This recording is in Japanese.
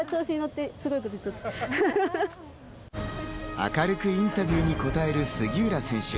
明るくインタビューに答える杉浦選手。